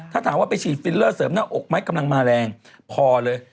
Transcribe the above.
ถ้าถามว่าไปฉีดฟิลเลอร์เสริมหน้าอกไหมกำลังมาแรงพอเลย